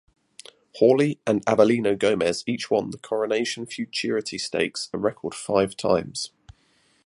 Hawley and Avelino Gomez each won the Coronation Futurity Stakes a record five times.